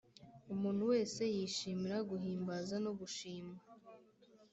umuntu wese yishimira guhimbaza no gushimwa;